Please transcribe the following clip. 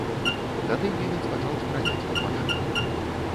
Тады немец пачаў страляць пад машыну.